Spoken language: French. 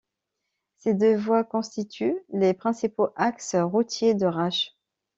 Ces deux voies constituent les principaux axes routiers de Râches.